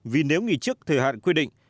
vì nếu nghỉ trước thời hạn quy định